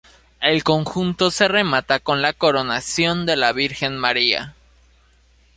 El conjunto se remata con la coronación de la Virgen María.